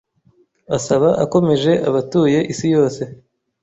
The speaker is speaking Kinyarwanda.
asaba akomeje abatuye isi yose